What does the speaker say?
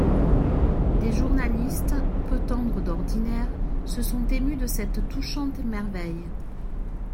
Des journalistes, peu tendres d'ordinaire, se sont émus de cette touchante merveille.